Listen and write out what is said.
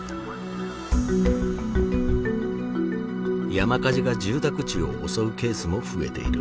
山火事が住宅地を襲うケースも増えている。